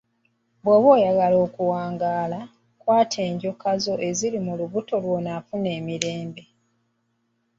Oba oyagala okuwangaala, kwata enjoka zo eziri mu lubuto lwo lw'onoofuna emirembe.